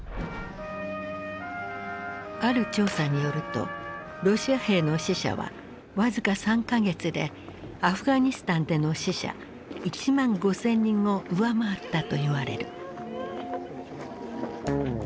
ある調査によるとロシア兵の死者は僅か３か月でアフガニスタンでの死者１万５，０００人を上回ったといわれる。